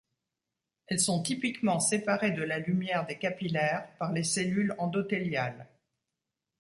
Elles sont typiquement séparées de la lumière des capillaires par les cellules endothéliales.